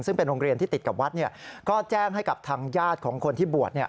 ทางโรงเรียนที่ติดกับวัดเนี่ยก็แจ้งให้กับทางญาติของคนที่บวชเนี่ย